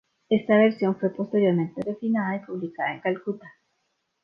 Esta versión fue posteriormente refinada y publicada en Calcuta.